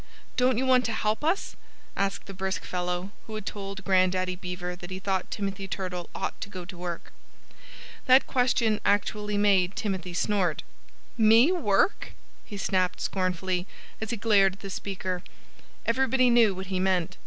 "Don't you want to help us?" asked the brisk fellow who had told Grandaddy Beaver that he thought Timothy Turtle ought to go to work. That question actually made Timothy snort. "Me work?" he snapped scornfully, as he glared at the speaker. Everybody knew what he meant.